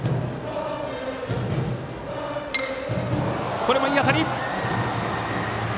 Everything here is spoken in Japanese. これもいい当たり！